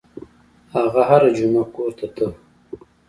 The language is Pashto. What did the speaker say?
هغه هره جمعه کور ته ته.